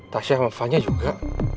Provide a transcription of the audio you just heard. tasya sama fanya juga